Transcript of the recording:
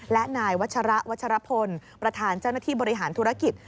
และนายวัชระวัชรพลประธานเจ้าหน้าที่บริหารธุรกิจ